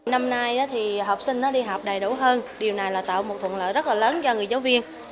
năm nay thì học sinh nó đi học đầy đủ hơn điều này là tạo một thuận lợi rất là lớn cho người giáo viên